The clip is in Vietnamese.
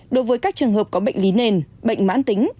đối với các trường hợp có bệnh lý nền bệnh mãn tính